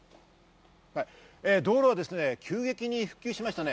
道路は急激に復旧しましたね。